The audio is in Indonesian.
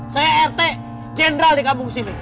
saya rt jenderal di kampung sini